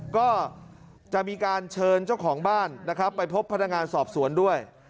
ก็จะมีการเชิญเจ้าของบ้านนะครับไปพบพนักงานสอบสวนด้วย